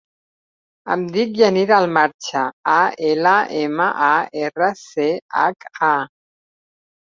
Em dic Yanira Almarcha: a, ela, ema, a, erra, ce, hac, a.